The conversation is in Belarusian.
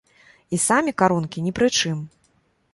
І самі карункі ні пры чым.